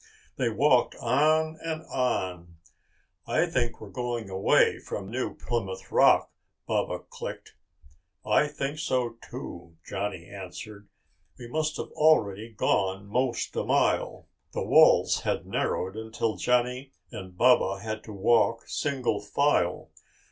They walked on and on. "I think we're going away from New Plymouth Rock," Baba clicked. "I think so, too," Johnny answered. "We must've already gone 'most a mile." The walls had narrowed until Johnny and Baba had to walk single file.